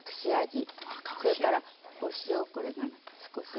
それからお塩これが少し。